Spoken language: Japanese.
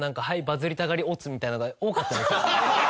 みたいなのが多かったんですよ。